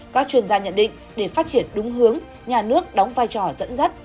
các chuyên gia nhận định để phát triển đúng hướng nhà nước đóng vai trò dẫn dắt